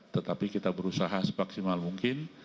tetapi kita berusaha semaksimal mungkin